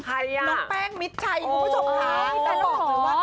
ใครอ่ะน้องแป้งมิดชัยของผู้ชมค่ะอ๋อแต่ต้องบอกเลยว่า